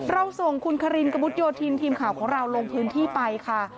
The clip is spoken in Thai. เราส่งคุณคารินกระมุดโยธินทีมข่าวของเราลงพื้นที่ไปค่ะ